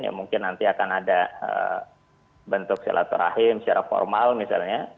ya mungkin nanti akan ada bentuk silaturahim secara formal misalnya